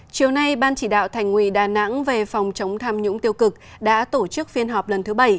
chiều nay ban chỉ đạo thành quỳ đà nẵng về phòng chống tham nhũng tiêu cực đã tổ chức phiên họp lần thứ bảy